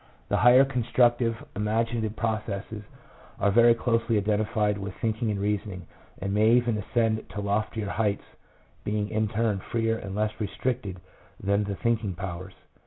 The higher, constructive, imaginative processes are very closely identified with thinking and reasoning, and may even ascend to loftier heights, being in turn freer and less restricted than the think ing powers.